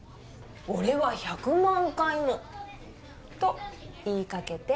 「おれは１００万回もといいかけて」